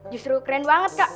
justru keren banget kak